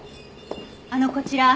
あのこちら